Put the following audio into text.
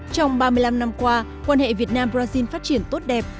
trong ba mươi năm năm qua quan hệ việt nam brazil phát triển tốt đẹp